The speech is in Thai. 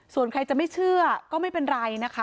ส่วนใครจะไม่เชื่อก็ไม่เป็นไรนะคะ